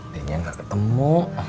dengan gak ketemu